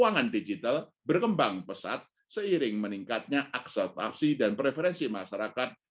keuangan digital berkembang pesat seiring meningkatnya aksepsi dan preferensi masyarakat